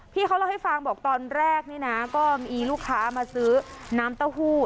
พี่เขาเล่าให้ฟังบอกตอนแรกนี่นะก็มีลูกค้ามาซื้อน้ำเต้าหู้